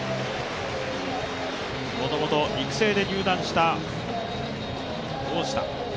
もともと育成で入団した大下。